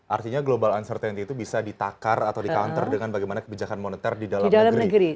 artinya global uncertainty itu bisa ditakar atau di counter dengan bagaimana kebijakan moneter di dalam negeri